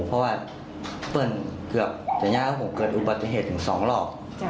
เพราะว่าเปิ้ลเกือบแต่ย่าว่าผมเกิดอุบัติเหตุถึง๒รอบ